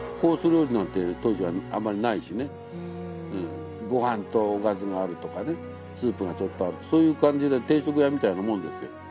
料理なんて当時はあんまりないしねご飯とおかずがあるとかねスープがちょっとあるそういう感じで定食屋みたいなもんですよ